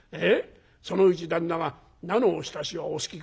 そのうち旦那が『菜のおひたしはお好きか？』